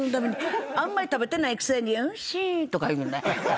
あんまり食べてないくせに「おいしい」とか言うねんで。